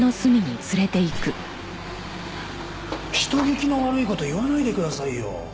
人聞きの悪い事言わないでくださいよ！